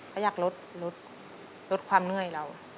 เขาอยากลดลดความเหนื่อยเรา